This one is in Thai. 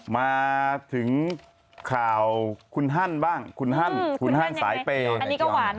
มาถึงข่าวคุณฮั่นบ้างคุณฮั่นสายเปย์